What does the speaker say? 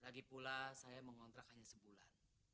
lagi pula saya mengontrak hanya sebulan